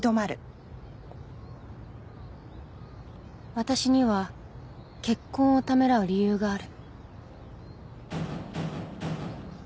私には結婚をためらう理由がある